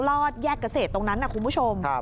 รอดแยกเกษตรตรงนั้นนะคุณผู้ชม